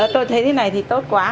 tôi thấy thế này thì tốt quá